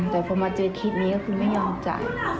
แต่พอมาเจอคลิปนี้ก็คือไม่ยอมจ่าย